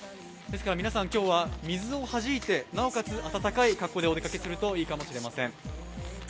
皆さん、今日は水をはじいてなおかつ暖かい格好でお出かけするといいかもしれません。